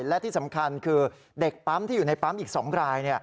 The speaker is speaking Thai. และที่สำคัญคือเด็กปั๊มที่อยู่ในปั๊มอีก๒ราย